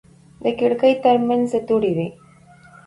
د کړکۍ ترمنځ دوړې وې.